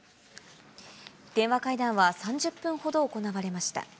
電話会談は３０分ほど行われました。